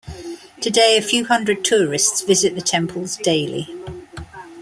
Today, a few hundred tourists visit the temples daily.